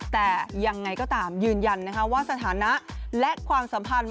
แต่ยังไงก็ตามยืนยันว่าสถานะและความสัมพันธ์